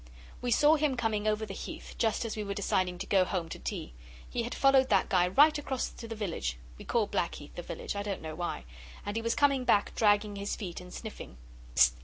We saw him coming over the Heath just as we were deciding to go home to tea. He had followed that guy right across to the village (we call Blackheath the village; I don't know why), and he was coming back dragging his feet and sniffing.